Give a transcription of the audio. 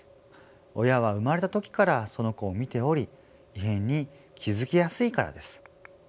親は生まれた時からその子を見ており異変に気付きやすいからです。